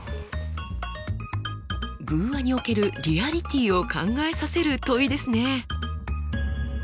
寓話におけるリアリティーを考えさせる問いですね。